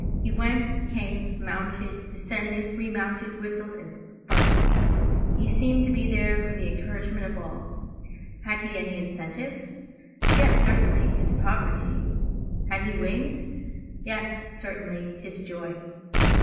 He went, came, mounted, descended, re mounted, whistled, and sparkled. He seemed to be there for the encouragement of all. Had he any incentive? Yes, certainly, his poverty; had he wings? yes, certainly, his joy.